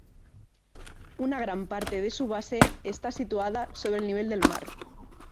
Una gran parte de su base está situada sobre el nivel del mar.